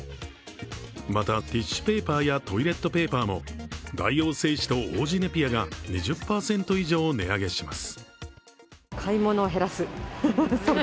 また、ティッシュペーパーやトイレットペーパーも大王製紙と王子ネピアが２０％以上値上げします。